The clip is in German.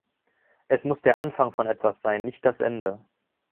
Es muss der Anfang von etwas sein, nicht das Ende.